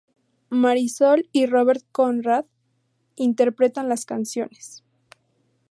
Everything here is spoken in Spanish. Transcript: Marisol y Robert Conrad interpretan las canciones.